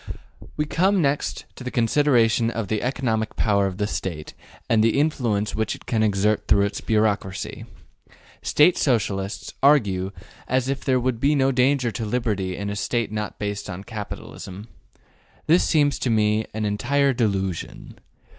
We come next to the consideration of the economic power of the State and the influence which it can exert through its bureaucracy. State Socialists argue as if there would be no danger to liberty in a State not based upon capitalism. This seems to me an entire delusion.